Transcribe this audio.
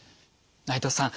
内藤さん